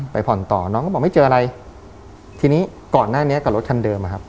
ผ่อนต่อน้องก็บอกไม่เจออะไรทีนี้ก่อนหน้านี้กับรถคันเดิมอะครับ